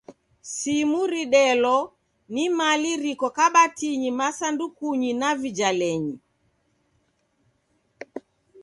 Simu ridelo ni mali riko kabatinyi, masandukunyi, na vijalenyi.